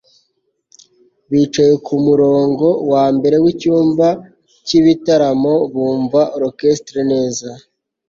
Bicaye kumurongo wambere wicyumba cyibitaramo bumva orchestre neza